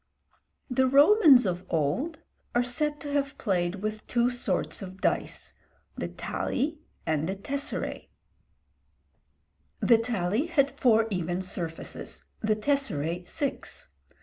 The Romans of old are said to have played with two sorts of dice, the tali and the tesseræ. The tali had four even surfaces, the tesseræ six.